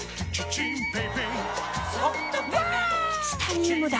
チタニウムだ！